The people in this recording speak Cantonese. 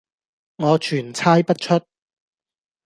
我全猜不出。